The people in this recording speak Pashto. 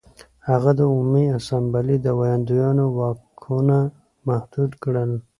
هغه د عمومي اسامبلې د ویاندویانو واکونه محدود کړل